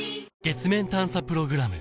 月面探査プログラム